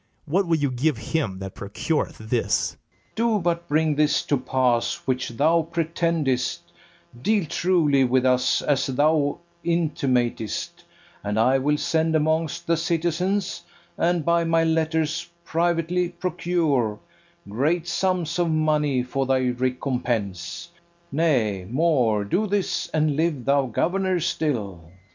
What will you give him that procureth this? FERNEZE. Do but bring this to pass which thou pretendest, Deal truly with us as thou intimatest, And I will send amongst the citizens, And by my letters privately procure Great sums of money for thy recompense: Nay, more, do this, and live thou governor still.